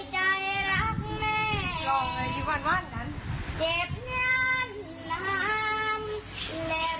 เจ็บเนี๊ยนหลามและร้อยลำเวน